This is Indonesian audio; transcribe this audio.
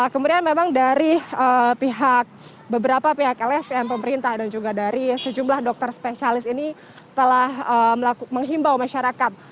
kemudian memang dari pihak beberapa pihak lsm pemerintah dan juga dari sejumlah dokter spesialis ini telah menghimbau masyarakat